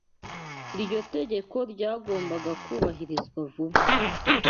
Iryo tegeko ryagombaga kubahirizwa vuba